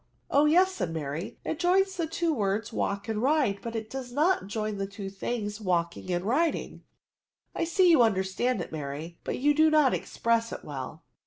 " Oh yes," said Mary, " it joins the two words walk and ride, but it does not join the two things walking and riding." ^' Jjiee that you understand it, Mary, but you do not express it well.